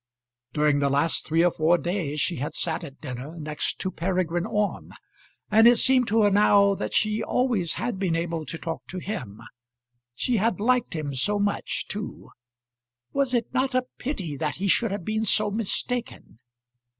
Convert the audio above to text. During the last three or four days she had sat at dinner next to Peregrine Orme, and it seemed to her now that she always had been able to talk to him. She had liked him so much too! Was it not a pity that he should have been so mistaken!